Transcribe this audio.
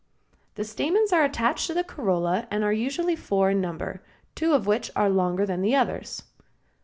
The stamens are attached to the corolla and are usually four in number, two of which are longer than the others.